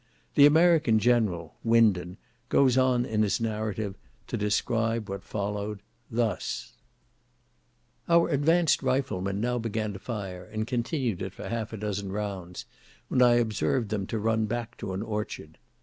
The American general (Winden) goes on in his narrative to describe what followed, thus: "Our advanced riflemen now began to fire, and continued it for half a dozen rounds, when I observed them to run back to an orchard.